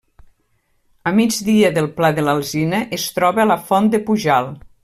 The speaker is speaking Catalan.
A migdia del Pla de l'Alzina es troba la Font de Pujalt.